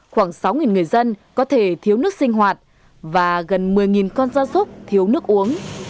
khoảng sáu người dân có thể thiếu nước sinh hoạt và gần một mươi con gia súc thiếu nước uống